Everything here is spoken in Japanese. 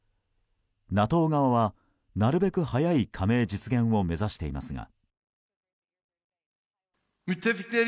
ＮＡＴＯ側はなるべく早い加盟実現を目指していますが。